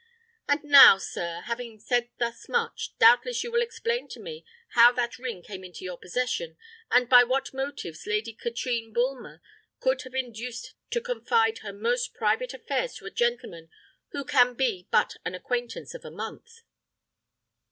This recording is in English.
And now, sir, having said thus much, doubtless you will explain to me how that ring came into your possession, and by what motives Lady Katrine Bulmer could be induced to confide her most private affairs to a gentleman who can be but an acquaintance of a month."